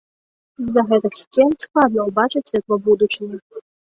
З-за гэтых сцен складана ўбачыць святло будучыні.